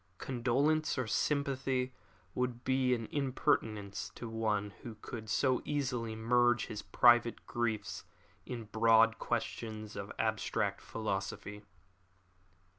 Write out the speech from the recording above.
Condolence or sympathy would be an impertinence to one who could so easily merge his private griefs in broad questions of abstract philosophy.